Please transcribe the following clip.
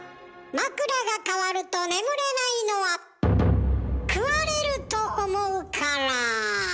枕がかわると眠れないのは食われると思うから。